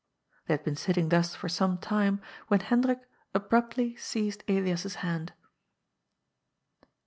They had been sitting thus for some time, when Hen drik abruptly seized Elias's hand.